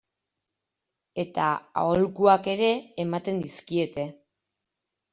Eta aholkuak ere ematen dizkiete.